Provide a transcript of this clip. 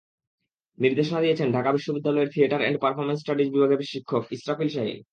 নির্দেশনা দিয়েছেন ঢাকা বিশ্ববিদ্যালয়ের থিয়েটার অ্যান্ড পারফরম্যান্স স্টাডিজ বিভাগের শিক্ষক ইসরাফিল শাহীন।